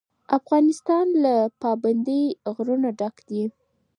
افغانستان له پابندی غرونه ډک دی.